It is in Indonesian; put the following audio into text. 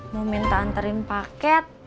mau minta anterin paket